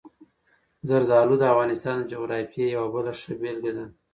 زردالو د افغانستان د جغرافیې یوه بله ښه بېلګه ده.